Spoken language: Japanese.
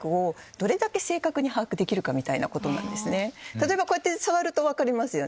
例えばこうやって触ると分かりますよね。